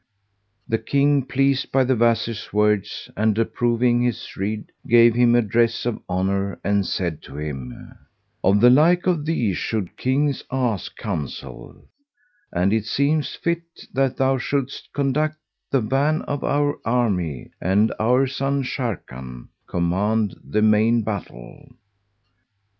The King, pleased by the Wazir's words and approving his rede, gave him a dress of honour and said to him, "Of the like of thee should Kings ask counsel, and it seemeth fit that thou shouldst conduct the van of our army and our son Sharrkan command the main battle."